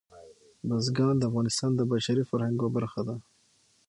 بزګان د افغانستان د بشري فرهنګ یوه برخه ده.